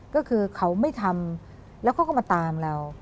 ก็คือเขาไม่ทำแล้วเขาก็มาตามเรา